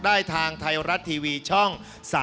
ได้ทางไทยรัฐทีวีช่อง๓๒